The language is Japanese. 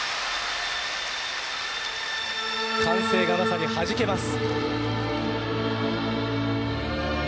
歓声がまさにはじけます。